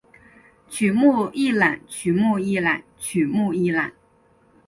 曲目一览曲目一览曲目一览